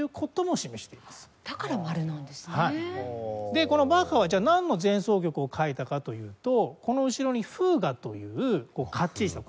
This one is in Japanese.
でこのバッハはじゃあなんの前奏曲を書いたかというとこの後ろにフーガというかっちりした。